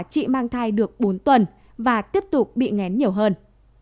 chị mang thai được bốn tuần và tiếp tục bị ngén nhiều hơn